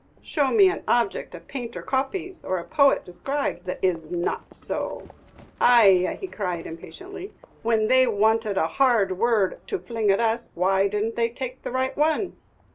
Show me an object a painter copies, or a poet describes, that is n't so!' Ayeh," cried he, impatiently, "when they wanted a hard word to fling at us, why didn't they take the right one?"